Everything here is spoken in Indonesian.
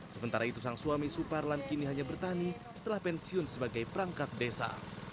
sementara itu sang suami suparlan kini hanya bertani setelah pensiun sebagai perangkat desa